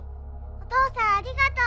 お父さんありがとう。